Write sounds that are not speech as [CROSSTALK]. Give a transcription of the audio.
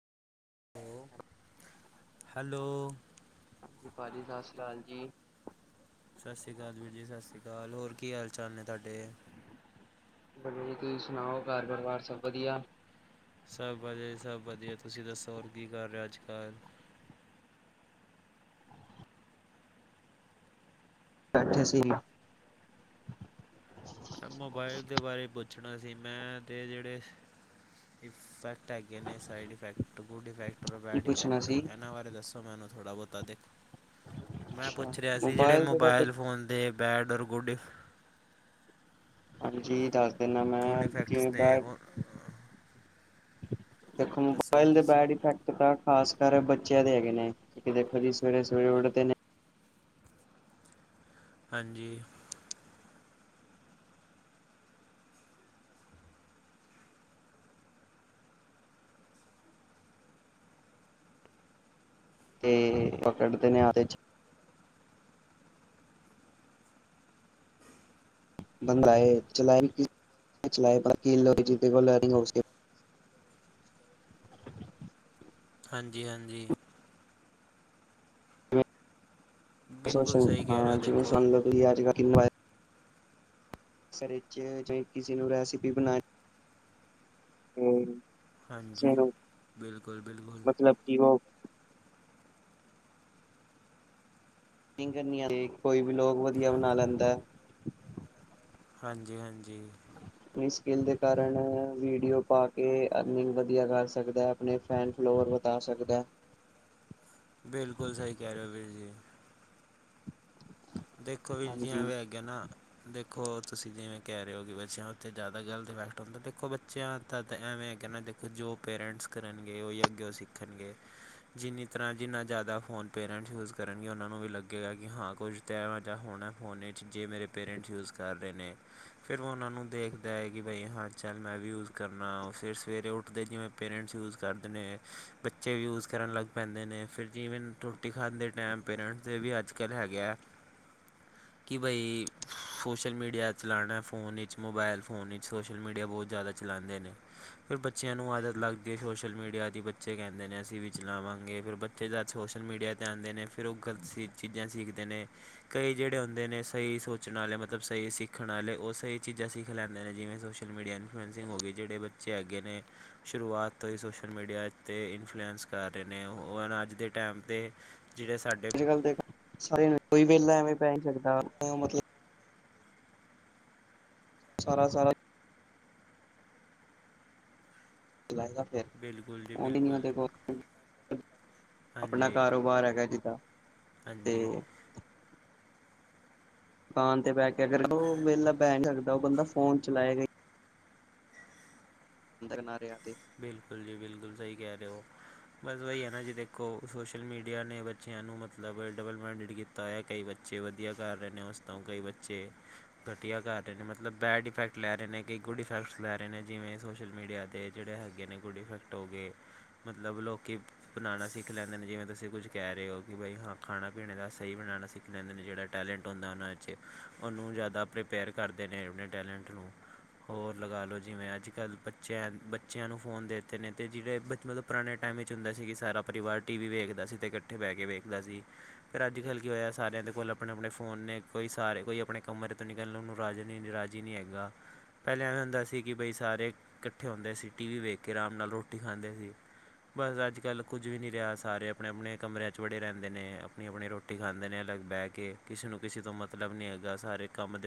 Hello. ਭਾਜੀ, ਸਤਿ ਸ੍ਰੀ ਅਕਾਲ ਜੀ। ਸਤਿ ਸ੍ਰੀ ਅਕਾਲ ਵੀਰ ਜੀ ਸਤਿ ਸ੍ਰੀ ਅਕਾਲ ਹੋਰ ਕੀ ਹਾਲ ਚਾਲ ਨੇ ਤੂਆਡੇ? ਵਧੀਆ ਜੀ, ਤੁਸੀ ਸੁਨਾਓ ਘਰ ਪਰਿਵਾਰ ਸਬ ਵਧੀਆ? ਸਬ ਵਧੀਆ ਸਭ ਵਧੀਆ, ਤੁਸੀ ਦੱਸੋ ਹੋਰ ਕੀ ਕਰ ਰਹੇ ਓ ਅੱਜ ਕੱਲ? ਬੈਠੇ ਸੀ। ਮੋਬਾਇਲ ਦੇ ਬਾਰੇ ਪੁੱਛਣਾ ਸੀ ਮੈਂ ਤੇ ਜੇੜੇ ਫੈਕਟ ਹੈਗੇ ਨੇ, ਸਾਈਡ ਇਫੈਕਟ ਗੁੱਡ ਇਫੈਕਟ ਔਰ ਬੈਡ ਪੁੱਛਣਾ ਇਫੈਕਟੇ, ਸੀ ਏਨਾਂ ਬਾਰੇ ਦੱਸੋ ਮੈਨੂੰ ਥੋੜ੍ਹਾ ਬਹੁਤਾ ਤੇ? ਮੈਂ ਪੁੱਛ ਰਿਆ ਸੀ ਜੇੜੇ ਦੇ ਤਾਂ ਮੋਬਾਇਲ ਫ਼ੋਨ ਦੇ ਬੈਡ ਔਰ ਗੁੱਡ ਇਫ਼ ਹਾਂਜੀ, ਦਸ ਦਿਨਾ ਗੁੱਡ ਮੈਂ ਇਫੈਕਟਸ ਜਿਵੇਂ ਨੇ ਬੈਡ ਉਹ ਦੇਖੋ ਦੱਸੋ ਜੀ ਮੋਬਾਇਲ ਦੇ ਬੈਡ ਦੱਸੋ ਇਫੈਕਟ ਤਾ ਖਾਸ ਕਰ ਬੱਚਿਆਂ ਦੇ ਹੈਗੇ ਨੇ, ਕਿ ਦੇਖੋ ਜੀ ਸਵੇਰੇ, ਸਵੇਰੇ ਉਠਦੇ ਨੇ ਹਾਂਜੀ। ਤੇ ਪਕੜਦੇ ਨੇ ਹੱਥ ਏਚ ਬੰਦਾ ਆਏ ਚਲਾਏ [UNINTELLIGIBLE] ਹਾਂਜੀ, ਹਾਂਜੀ। ਬਿਲਕੁਲ ਸੋਮ਼ਨ, ਸਹੀ ਕਹਿ ਰਹੇ ਹਾਂ ਹੋ ਜਿਵੇਂ ਦੇਖੋ ਸੋਣ ਲੋ ਤੂਸੀ ਆਜ ਕਾਲ ਕਿਨੀ ਵਾਰ ਸਰ ਇਚ ਜੇ ਕਿਸੇ ਨੂੰ ਰੈਸਪੀ ਬਨਾਨੀ ਏ ਹਾਂਜੀ ਬਿਲਕੁਲ, ਬਿਲਕੁਲ। ਮਤਲਬ ਕਿ ਓਹ ਕੇਕ ਕੋਈ ਵੀ ਲੋਗ ਵਦੀਆ ਹਾਂ ਬਣਾ ਲੈਂਦੇ ਹਾਂਜੀ, ਹਾਂਜੀ। ਅਪਣੀ ਸਕਿਲ ਦੇ ਕਾਰਣ ਵੀਡੀਓ ਪਾ ਕੇ ਅਰਨਿੰਗ ਵਧੀਆ ਕਰ ਸਕਦੈ। ਅਪਨੇ ਫੈਨ ਫਲੋਵਰ ਵਧਾ ਸਕਦੈ। ਬਿਲਕੁਲ ਸਹੀ ਕਹਿ ਰਹੇ ਹੋ ਵੀਰ ਜੀ। ਦੇਖੋ ਵੀਰ ਜੀ ਹਾਂਜੀ ਐਂਵੇ ਅੱਜ ਹੈਗੇ ਨਾ ਦੇਖੋ ਤੁਸੀ ਜਿਵੇਂ ਕਹਿ ਰਹੇ ਹੋ ਕਿ ਬੱਚਿਆਂ ਉਤੇ ਜਿਆਦਾ ਗਲਤ ਇਫੈਕਟ ਹੁੰਦੈ, ਦੇਖੋ ਬੱਚਿਆਂ ਦਾ ਤਾਂ ਐਵੇਂ ਹੇਗਾ ਨਾ ਦੇਖੋ ਜੋ ਪੇਰੈਂਟਸ ਕਰਨਗੇ, ਓਈ ਅੱਗੇ ਉਹ ਸਿੱਖਨਗੇ। ਜਿੰਨੀ ਤਰਾਂ, ਜਿੰਨਾ ਜਾਦਾ ਫੋਨ ਪੇਅਰੈਂਟ ਯੂਜ਼ ਕਰਨਗੇ, ਓਨਾਂ ਨੂੰ ਵੀ ਲਗੇਗਾ ਕਿ ਹਾਂ ਕੁਝ ਤੇ ਐਂਵੇ ਜਾ ਹੋਣਾ ਫੋਨ ਇਚ ਜੇ ਮੇਰੇ ਪੇਰੈਂਟਸ ਯੂਜ਼ ਕਰ ਰਹੇ ਨੇ ਫੇਰ ਓਨਾਂ ਨੂੰ ਦੇਖਦੈ ਕਿ ਬਈ ਹਾਂ ਚੱਲ ਮੈਂ ਵੀ ਯੂਜ਼ ਕਰਨਾ, ਫੇਰ ਸਵੇਰੇ ਉਠਦੇ ਜਿਵੇਂ ਪੇਰੈਂਟਸ ਯੂਜ਼ ਕਰਦੇ ਨੇ, ਬੱਚੇ ਵੀ ਯੂਜ਼ ਕਰਨ ਲੱਗ ਪੈਂਦੇ ਨੇ, ਫੇਰ ਜੀਵੇਂ ਟੁ ਰੋਟੀ ਖਾਂਦੇ ਟੈਮ ਪੇਰੈਂਟਸ ਦੇ ਵੀ ਅੱਜ ਕੱਲ ਹੈਗੇ ਐ ਕਿ ਬਈ ਸੋਸ਼ਲ ਮੀਡੀਆ ਚਲਾਣੈ ਫੋ਼ਨ ਇਚ, ਮੋਬਾਇਲ ਫੋ਼ਨ ਇਚ, ਸੋਸ਼ਲ ਮੀਡੀਆ ਬਹੁਤ ਜਿਆਦਾ ਚਲਾਂਦੇ ਨੇ ਫੇਰ ਬੱਚਿਆਂ ਨੂੰ ਆਦਤ ਲੱਗ ਗਈ ਸੋਸ਼ਲ ਮੀਡੀਆ ਦੀ, ਬੱਚੇ ਕਹਿੰਦੇ ਨੇ ਅਸੀ ਵੀ ਚਲਾਵਾਂਗੇ, ਫੇਰ ਬਚ ਫਿਰ ਜਦ ਸੋਸ਼ਲ ਮੀਡੀਆ 'ਤੇ ਆਂਦੇ ਨੇ ਫੇਰ ਉਹ ਗਲਤ ਸੀ ਚੀਜਾਂ ਸਿੱਖਦੇ ਨੇ ਕਈ ਜਿਹੜੇ ਹੁੰਦੇ ਨੇ ਸਈ ਸੋਚਣ ਆਲੇ ਮਤਲਬ ਸਈ ਸਿੱਖਣ ਆਲੇ, ਉਹ ਸਈ ਚੀਜ਼ਾਂ ਸਿੱਖ ਲੈਂਦੇ ਨੇ ਜਿਵੇਂ ਸੋਸ਼ਲ ਮੀਡੀਆ ਨੂੰ ਹਾਂਜੀ ਹੋਗੇ ਜੇੜੇ ਬੱਚੇ ਹੈਗੇ ਨੇ ਸ਼ੁਰੂਆਤ ਤੋਂ ਈ ਸੋਸ਼ਲ ਮੀਡੀਆ ਤੇ ਇਨਫਲੂਐਂਸ ਕਾਰ ਰਹੇ ਨੇ, ਓ ਹੁਣ ਅੱਜ ਦੇ ਟੈਮ ਤੇ ਜੇੜੇ ਸਾਡੇ ਆਜ ਕਾਲ ਦੇਖੋ ਸਾਰੇਆਂ ਨੂੰ, ਕੋਈ ਵੈਲਾ ਐਵੇਂ ਬੈ ਨੀ ਸਕਦਾ ਮਤਲਬ ਸਾਰਾ-ਸਾਰਾ ਚਲਾਏ ਗਾ। ਬਿਲਕੁਲ ਜੀ ਬਿਲਕੁਲ। ਆਪਣਾ ਹਾਂਜੀ ਕਾਰੋਬਾਰ ਹੈਗਾ ਜਿੱਦਾਂ ਤੇ। ਹਾਂਜੀ ਦੁਕਾਨ ਤੇ ਬਹਿ ਕੇ ਅਗਰ ਉਹ ਵੇਲਾ ਤਾਂ ਐ ਲੱਗਦਾ ਉਹ ਬੰਦਾ ਫੋਨ ਚਲਾਏਗਾ ਈ ਨੀ। ਅੰਦਰ ਨਾ ਰਹਿ ਜੇ। ਬਿਲਕੁਲ ਜੀ ਬਿਲਕੁਲ ਸਹੀ ਕਹਿ ਰਹੇ ਓ। ਬਸ ਉਹੀ ਐ ਨਾ ਜੀ ਦੇਖੋ ਸੋਸ਼ਲ ਮੀਡੀਆ ਨੇ ਬੱਚਿਆਂ ਨੂੰ ਮਤਲਬ ਡਬਲ ਮਾਈਡਡ ਕੀਤਾ। ਤਾਂ ਆ ਕਈ ਬੱਚੇ ਵਧੀਆ ਘਰ ਰਹਿ ਕੇ ਵਧੀਆ ਯੂਜ ਰਹੇ [UNINTELLIGIBLE] ਕਈ ਬੱਚੇ। ਘਟੀਆ ਕਰ ਰਹੇ ਨੇ ਮਤਲਬ ਬੈਡ ਇਫੈਕਟ ਲੈ ਰਹੇ ਨੇ ਕਈ ਗੁੱਡ ਇਫੈਕਟਸ ਲੈ ਰਹੇ ਨੇ ਜਿਵੇਂ ਸੋਸ਼ਲ ਮੀਡੀਆ ਦੇ। ਜਿਹੜੇ ਹੈਗੇ ਨੇ ਗੁੱਡ ਇਫੈਕਟ ਹੋ' ਗਏ ਮਤਲਬ ਲੋਕੀ ਬਣਾਣਾ ਸਿੱਖ ਲੈਂਦੇ ਨੇ ਜਿਵੇਂ ਤੁਸੀਂ ਕੁੱਝ ਕਹਿ ਰਹੇ ਹੋ ਕਿ ਬਈ ਹਾਂ ਖਾਣਾ ਪੀਣੇ ਦਾ ਸਹੀ ਬਣਾਣਾ ਸਿੱਖ। ਕਹਿੰਦੇ ਨੇ ਜਿਹੜਾ ਟੈਲੈਂਟ ਹੁੰਦਾ ਉਹਨਾਂ 'ਚ ਉਹਨੂੰ ਜ਼ਿਆਦਾ ਪ੍ਰਪੇਅਰ ਕਰਦੇ ਨੇ ਆਪਣੇ ਟੈਲੈਂਟ ਨੂੰ। ਹੋਰ ਲਗਾ ਲਓ ਜਿਵੇਂ ਅੱਜ ਕੱਲ੍ਹ ਬੱਚਿਆਂ ਬੱਚਿਆਂ ਨੂੰ ਫੋਨ ਦੇ ਤੇ ਨੇ ਜੀ ਤੇ ਜਿਹੜੇ ਬੱਟ ਮਤਲਬ ਪੁਰਾਣੇ ਟਾਈਮ ਵਿੱਚ ਹੁੰਦਾ ਸੀ ਕਿ ਸਾਰਾ ਪਰਿਵਾਰ ਟੀ ਵੀ ਵੇਖਦਾ ਸੀ ਤੇ। ਇਕੱਠੇ ਬਹਿ ਕੇ ਵੇਖਦਾ ਸੀ। ਫਿਰ ਅੱਜ ਕੱਲ੍ਹ ਕੀ ਹੋਇਆ ਸਾਰਿਆਂ ਦੇ ਕੋਲ ਆਪਣੇ ਆਪਣੇ ਫੋਨ ਨੇ ਕੋਈ ਸਾਰੇ ਕੋਈ ਆਪਣੇ ਕਮਰੇ ਤੋਂ ਨਿਕਲਣ ਨੂੰ ਰਾਜੇ ਨਹੀਂ ਰਾਜ। ਜੀ ਨਹੀਂ ਹੈਗਾ ਪਹਿਲੇ ਐਵੇਂ ਹੁੰਦਾ ਸੀ ਕਿ ਬਈ ਸਾਰੇ ਇਕੱਠੇ ਹੁੰਦੇ ਸੀ। ਟੀਵੀ ਵੇਖ ਕੇ ਆਰਾਮ ਨਾਲ ਰੋਟੀ ਖਾਂਦੇ ਸੀ। ਬਸ ਅੱਜ ਕੱਲ੍ਹ ਕੁਝ ਵੀ ਨਹੀਂ ਰਿਹਾ ਸਾਰੇ ਆਪਣੇ ਆਪਣੇ ਕਮਰਿਆਂ 'ਚ ਬੜੇ ਰਹਿੰਦੇ ਨੇ ਆਪਣੀ ਆਪਣੀ ਰੋਟੀ। ਰੋਟੀ ਖਾਂਦੇ ਨੇ ਅਲੱਗ ਬਹਿ ਕੇ ਕਿਸੇ ਨੂੰ ਕਿਸੇ ਤੋਂ ਮਤਲਬ ਨੀ ਹੈਗਾ ਸਾਰੇ ਕੰਮ ਦੇ।